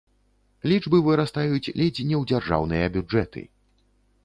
Лічбы вырастаюць ледзь не ў дзяржаўныя бюджэты.